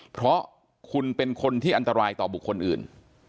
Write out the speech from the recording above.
เพราะคุณเป็นคนที่อันตรายต่อบุคคลอื่น